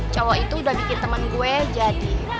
cowok itu udah bikin temen gue jadi